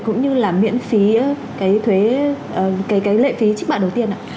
cũng như là miễn phí cái lệ phí trước mặt đầu tiên ạ